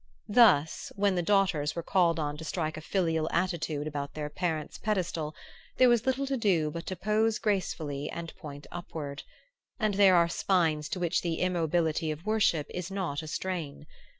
Thus, when the daughters were called on to strike a filial attitude about their parent's pedestal, there was little to do but to pose gracefully and point upward; and there are spines to which the immobility of worship is not a strain.